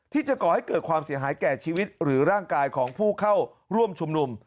ก่อให้เกิดความเสียหายแก่ชีวิตหรือร่างกายของผู้เข้าร่วมชุมนุม